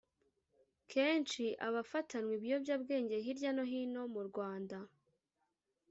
Kenshi abafatanywa ibiyobyabwenge hirya no hino mu Rwanda